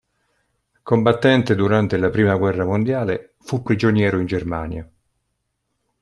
Combattente durante la Prima guerra mondiale, fu prigioniero in Germania.